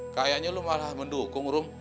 kayaknya lu malah mendukung ruh